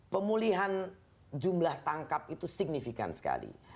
pemulihan jumlah tangkap itu signifikan sekali